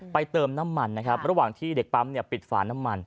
เติมน้ำมันนะครับระหว่างที่เด็กปั๊มเนี่ยปิดฝาน้ำมัน